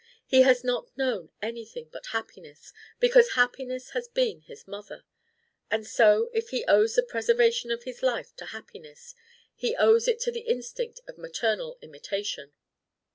He has not known anything but Happiness because Happiness has been his mother. And so, if he owes the preservation of his life to Happiness, he owes it to the instinct of maternal imitation."